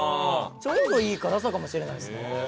ちょうどいい辛さかもしれないですね。